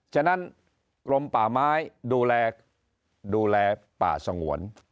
ฉะนั้นกรมป่าไม้ดูแลดูแลป่าสงวน